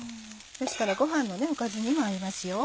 ですからご飯のおかずにも合いますよ。